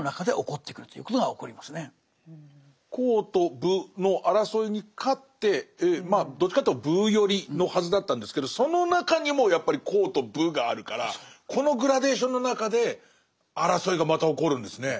「公」と「武」の争いに勝ってまあどっちかというと「武」寄りのはずだったんですけどその中にもやっぱり「公」と「武」があるからこのグラデーションの中で争いがまた起こるんですね。